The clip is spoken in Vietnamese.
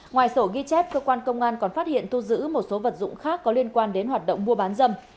ngoài sổ ghi chép cơ quan công an còn phát hiện thu giữ một số vật dụng khác có liên quan đến hoạt động mua bán dâm